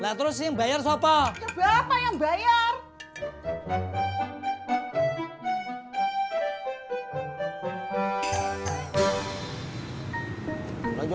lah terus si yang bayar sopo